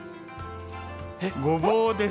ごぼうです。